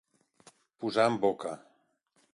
Posar en boca.